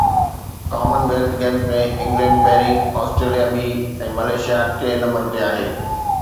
ڪمن wealth Games ۾ England پهرين، Australia ٻي ۽ ملائيشيا ٽئين نمبر تي آهي